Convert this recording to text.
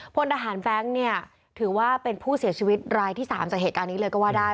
พลทหารแบงค์เนี่ยถือว่าเป็นผู้เสียชีวิตรายที่๓จากเหตุการณ์นี้เลยก็ว่าได้